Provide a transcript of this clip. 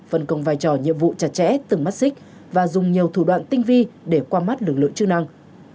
phân công vai trò nhiệm vụ chặt chẽ từng mắt xích và dùng nhiều thủ đoạn tinh vi để qua mắt lực lượng chức năng